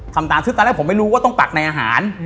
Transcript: ทำตามซึ่งตอนแรกผมไม่รู้ว่าต้องปักในอาหาร